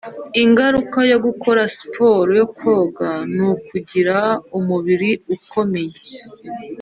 ingaruka yo gukora siporo yo koga n'ukugira ʻumubiri ukomeyeʼ